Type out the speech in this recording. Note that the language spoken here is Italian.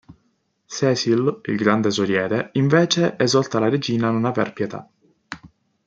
Cecil, il gran tesoriere, invece esorta la regina a non aver pietà.